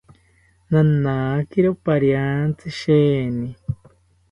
Nanakiro pariantzi sheeni